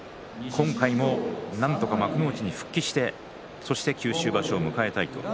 今回、なんとか幕内に復帰してそして九州場所を迎えたい